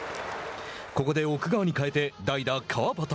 ここで奥川に代えて、代打川端。